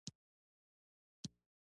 کله کله تر چاکلېټو پلمېټ ښه خوند کوي.